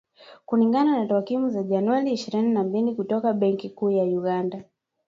Kulingana na takwimu za Januari ishirini na mbili kutoka Benki Kuu ya Uganda